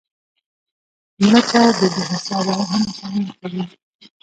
مړه ته د بې حسابه رحم سوال کوو